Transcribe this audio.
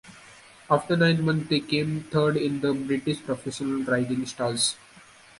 After nine months, they came third in the British Professional Rising Stars.